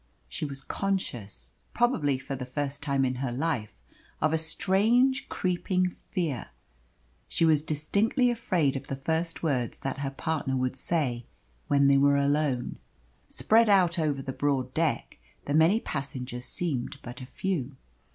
She was conscious, probably for the first time in her life, of a strange, creeping fear. She was distinctly afraid of the first words that her partner would say when they were alone. Spread out over the broad deck the many passengers seemed but a few.